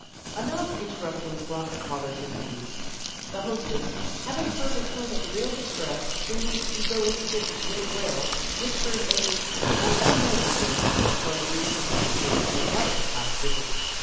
A knock interrupting brought the caller to her feet. The hostess, having heard a tone of real distress in the egoistic little wail, whispered a " Come down later, dear," before Louise had disappeared to pay another last visit.